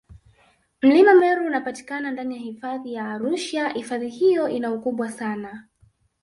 Mlima Meru unapatikana ndani ya Hifadhi ya Arusha ifadhi hiyo ina ukubwa sana